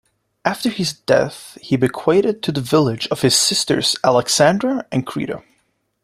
After his death he bequeathed to the village of his sisters Alexandra and Creata.